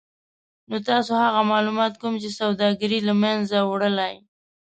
نو تاسې هغه مالومات کوم چې سوداګري له منځه وړلای